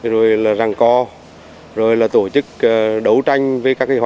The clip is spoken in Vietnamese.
rồi là ràng co rồi là tổ chức đấu tranh